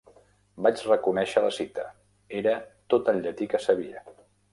Vaig reconèixer la cita: era tot el llatí que sabia.